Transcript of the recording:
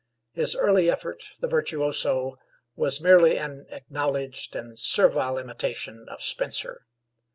His early effort, 'The Virtuoso,' was merely an acknowledged and servile imitation of Spenser.